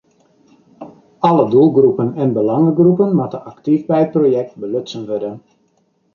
Alle doelgroepen en belangegroepen moatte aktyf by it projekt belutsen wurde.